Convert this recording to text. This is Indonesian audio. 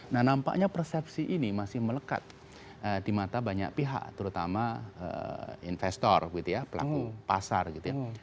nah nampaknya persepsi ini masih melekat di mata banyak pihak terutama investor gitu ya pelaku pasar gitu ya